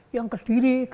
yang ke diri